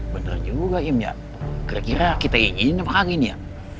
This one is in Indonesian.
bener juga im ya kira kira kita ingin apa kagini ya